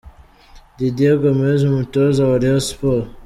Didier Gomes, umutoza wa Rayon Sport.